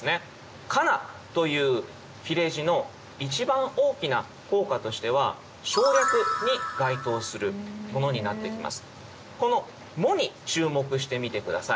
「かな」という切れ字の一番大きな効果としては「省略」に該当するものになってきます。